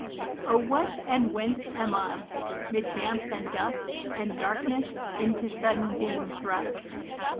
O what, and whence am I, 'mid damps and dust, And darkness, into sudden being thrust?